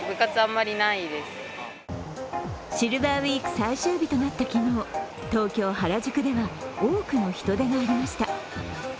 シルバーウイーク最終日となった昨日、東京・原宿では多くの人出がありました。